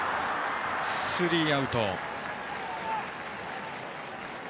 スリーアウト。